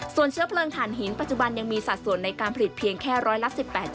ส่วนเชื้อเพลิงฐานหินปัจจุบันยังมีสัดส่วนในการผลิตเพียงแค่ร้อยละ๑๘